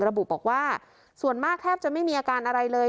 ระบุบอกว่าส่วนมากแทบจะไม่มีอาการอะไรเลย